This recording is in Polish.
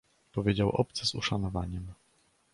"powiedział obcy z uszanowaniem."